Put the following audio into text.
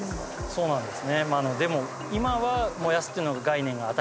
そうなんです。